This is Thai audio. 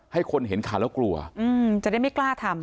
ให้คนเห็นข่าวแล้วกลัวจะได้ไม่กล้าทำ